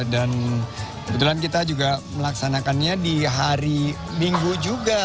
dan kebetulan kita juga melaksanakannya di hari minggu juga